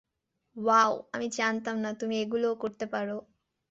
Wow, আমি জানতাম না তুমি এগুলোও করতে পারো!